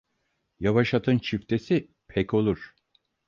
Yavaş atın çiftesi pek olur.